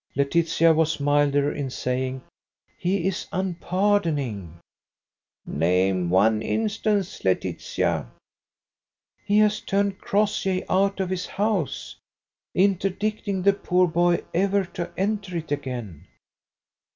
Laetitia was milder in saying, "He is unpardoning." "Name one instance, Laetitia." "He has turned Crossjay out of his house, interdicting the poor boy ever to enter it again."